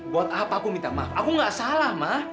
buat apa aku minta maaf aku ga salah ma